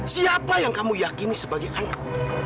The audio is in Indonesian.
siapa yang kamu yakini sebagai anak